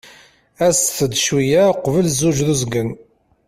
As-t-d cwiya uqbel zzuǧ d uzgen.